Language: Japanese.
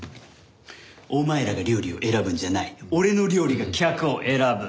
「お前らが料理を選ぶんじゃない俺の料理が客を選ぶ」